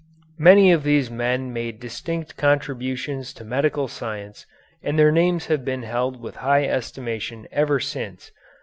Many of these men made distinct contributions to medical science and their names have been held in high estimation ever since.